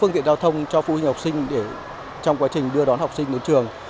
giao thông cho phụ huynh học sinh để trong quá trình đưa đón học sinh đến trường